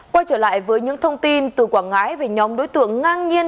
quay trở lại với những thông tin từ quảng ngãi về nhóm đối tượng ngang nhiên